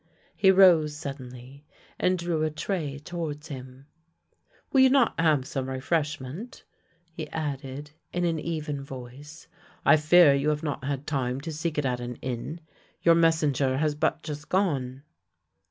He rose suddenly and drew a tray towards him. "Will you not have some refreshment?" he added in an even voice, " I fear you have not had time to seek it at an inn. Your messenger has but just gone."